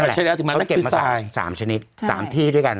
ใช้แล้วถึงมันก็คือสายสามชนิดใช่สามที่ด้วยกัน